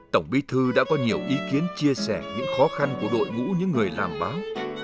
tổng bí thư đã có nhiều ý kiến chia sẻ những khó khăn của đội ngũ những người làm báo